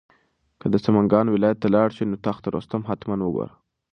که د سمنګان ولایت ته لاړ شې نو تخت رستم حتماً وګوره.